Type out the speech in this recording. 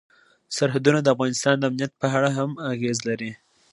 سرحدونه د افغانستان د امنیت په اړه هم اغېز لري.